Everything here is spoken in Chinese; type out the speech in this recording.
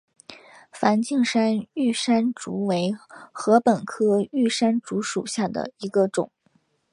梵净山玉山竹为禾本科玉山竹属下的一个种。